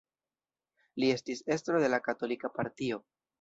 Li estis estro de la Katolika Partio.